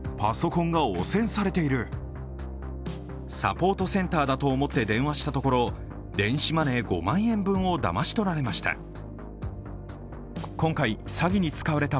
サポーターセンターだと思って電話したところ、電子マネー５万円分をだまし取られました。